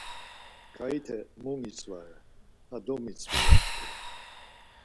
Ǩaite mu mitzvare, ar domitzvi ya tku.